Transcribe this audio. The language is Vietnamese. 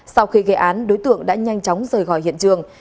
sau khi gây án đối tượng đã nhanh chóng rời khỏi hiện trường